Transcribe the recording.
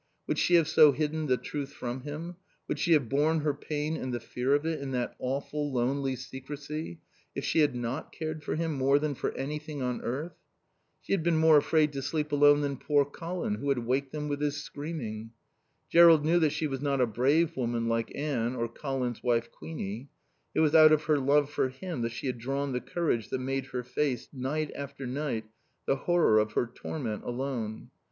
Would she have so hidden the truth from him, would she have borne her pain and the fear of it, in that awful lonely secrecy, if she had not cared for him more than for anything on earth? She had been more afraid to sleep alone than poor Colin who had waked them with his screaming. Jerrold knew that she was not a brave woman like Anne or Colin's wife, Queenie; it was out of her love for him that she had drawn the courage that made her face, night after night, the horror of her torment alone.